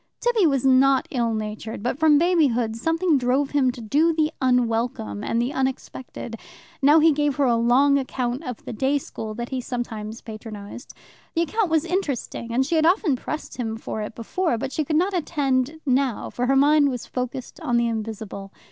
Tibby was not ill natured, but from babyhood something drove him to do the unwelcome and the unexpected. Now he gave her a long account of the day school that he sometimes patronized. The account was interesting, and she had often pressed him for it before, but she could not attend now, for her mind was focussed on the invisible.